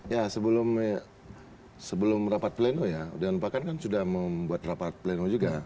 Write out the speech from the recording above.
ya sebelum rapat pleno ya dewan pakan kan sudah membuat rapat pleno juga